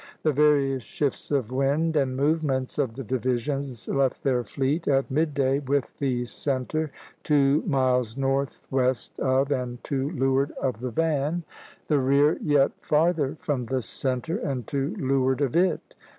The various shifts of wind and movements of the divisions left their fleet, at midday (Plate XXI. D), with the centre (c) two miles northwest of and to leeward of the van (v), the rear (r) yet farther from the centre and to leeward of it.